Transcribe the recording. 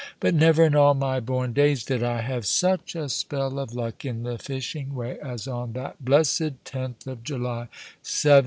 But never in all my born days did I have such a spell of luck in the fishing way as on that blessed 10th of July 1782.